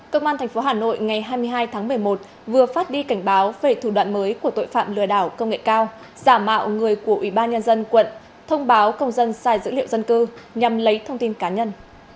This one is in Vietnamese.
công an tp hà nội ngày hai mươi hai tháng một mươi một vừa phát đi cảnh báo về thủ đoạn mới của tội phạm lừa đảo công nghệ cao giả mạo người của ubnd quận thông báo công dân sai dữ liệu dân cư nhằm lấy thông tin cá nhân